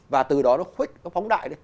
và từ đó nó khuếch nó phóng đại